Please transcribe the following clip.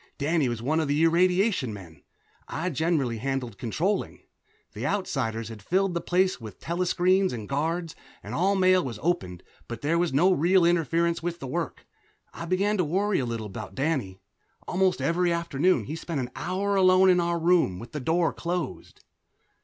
Danny was one of the irradiation men; I generally handled controlling. The Outsiders had filled the place with telescreens and guards, and all mail was opened, but there was no real interference with the work. I began to worry a little about Danny. Almost every afternoon he spent an hour alone in our room, with the door closed.